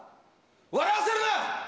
笑わせるな！